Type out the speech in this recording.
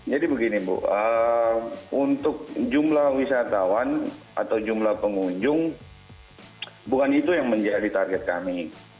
jadi begini bu untuk jumlah wisatawan atau jumlah pengunjung bukan itu yang menjadi target kami